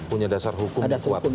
punya dasar hukum dikuat